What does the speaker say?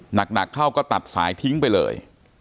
หนักเข้าก็ตัดสายทิ้งไปเลย